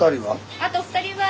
あと２人は？